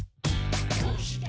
「どうして？